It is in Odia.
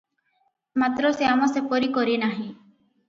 ମାତ୍ର ଶ୍ୟାମ ସେପରି କରେ ନାହିଁ ।